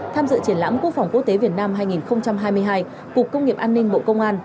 tham dự triển lãm quốc phòng quốc tế việt nam hai nghìn hai mươi hai cục công nghiệp an ninh bộ công an